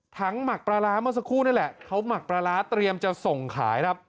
หมักปลาร้าเมื่อสักครู่นี่แหละเขาหมักปลาร้าเตรียมจะส่งขายครับ